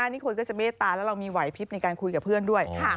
นี่คนก็จะเมตตาแล้วเรามีไหวพลิบในการคุยกับเพื่อนด้วย